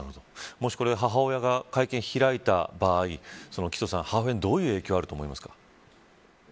もし母親が会見を開いた場合母親にどういう影響があると思いますか。